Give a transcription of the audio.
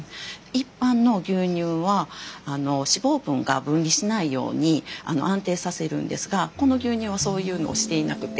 一般の牛乳は脂肪分が分離しないように安定させるんですがこの牛乳はそういうのをしていなくて。